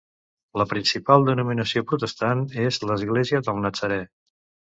La principal denominació Protestant és l'Església del Natzarè.